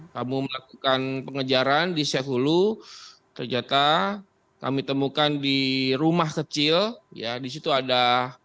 kamu melakukan pengejaran di sehulu ternyata kami temukan di rumah kecil ya di situ ada